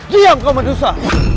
diam kau medusa